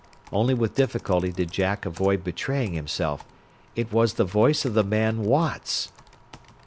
Only with difficulty did Jack avoid betraying himself. It was the voice of the man "Watts"!